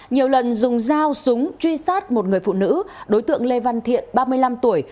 nhiều lần dùng dao súng truy sát một người phụ nữ đối tượng lê văn thiện ba mươi năm tuổi